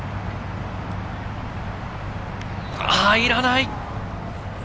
入らない！